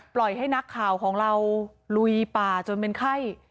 ปล่อยให้นักข่าวของเราลุยป่าจนเป็นไข้